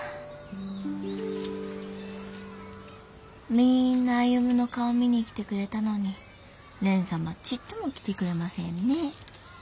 みんな歩の顔見に来てくれたのに蓮様ちっとも来てくれませんね。